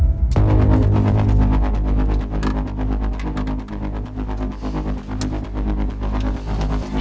tidak ada yang bisa dipanggil ke sekolah